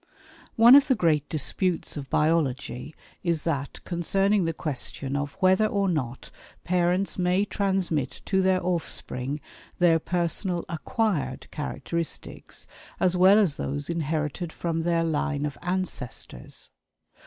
One of the great disputes of biology is that concerning the question of whether or not parents may transmit to their offspring their personal "acquired characteristics" as well as those inherited from their line of ancestors.